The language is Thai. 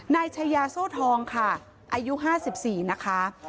นายชายาโซทองค่ะอายุห้าสิบสี่นะคะ